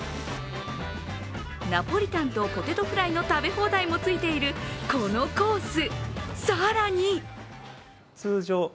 ナポリタンとポテトフライの食べ放題もついている、このコース。